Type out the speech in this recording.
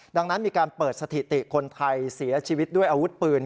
ดังนั้นมีการเปิดสถิติคนไทยเสียชีวิตด้วยอาวุธปืน